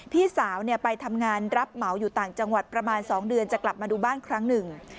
พี่สาวไปทำงานรับเหมาอยู่ต่างจังหวัดประมาณ๒เดือนจะกลับมาดูบ้านครั้งหนึ่ง